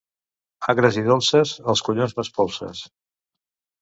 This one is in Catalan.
Agres i dolces, els collons m'espolses.